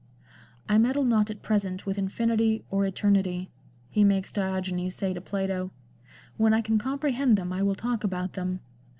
" I meddle not at present with infinity or eternity," he makes Diogenes say to Plato ;" when I can comprehend them I will talk about them.